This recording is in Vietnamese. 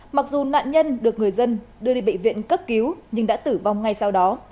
mặc dù nạn nhân được người dân đưa đi bệnh viện cấp cứu nhưng đã tử vong ngay sau đó